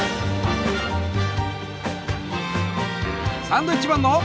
サンドウィッチマンの。